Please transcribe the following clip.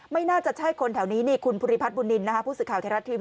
ไม่น่าจะใช่คนแถวนี้คุณิพัฐบุณินนะฮะ